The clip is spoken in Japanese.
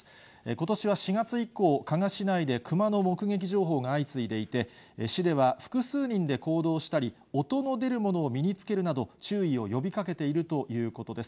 ことしは４月以降、加賀市内でクマの目撃情報が相次いでいて、市では複数人で行動したり、音の出るものを身に着けるなど、注意を呼びかけているということです。